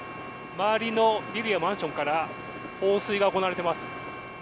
周りのビルやマンションから放水が行われています。